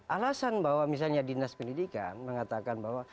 alasan bahwa misalnya dinas pendidikan mengatakan bahwa